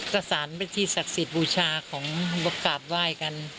ก็สารเป็นที่ศักดิ์สิทธิ์บูชาของมากราบไหว้กัน